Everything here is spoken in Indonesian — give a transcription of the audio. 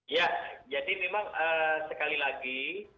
ya jadi memang sekali lagi